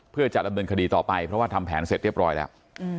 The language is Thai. เพื่อจะดำเนินคดีต่อไปเพราะว่าทำแผนเสร็จเรียบร้อยแล้ว